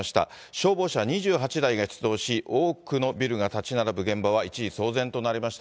消防車２８台が出動し、多くのビルが建ち並ぶ現場は一時騒然となりました。